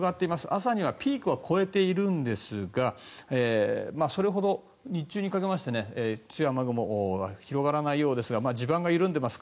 朝にはピークは越えているんですがそれほど日中にかけまして強い雨雲が広がらないようですが地盤が緩んでいます。